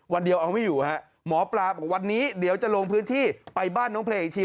วันเดียวเอาไม่อยู่ฮะหมอปลาบอกวันนี้เดี๋ยวจะลงพื้นที่ไปบ้านน้องเพลงอีกที